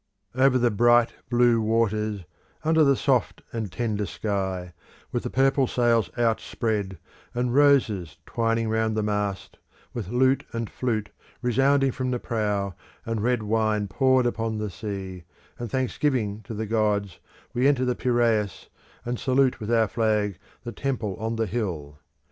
Over the bright blue waters, under the soft and tender sky, with the purple sails outspread and roses twining round the mast, with lute and flute resounding from the prow, and red wine poured upon the sea, and thanksgiving to the gods, we enter the Piraeus, and salute with our flag the temple on the hill.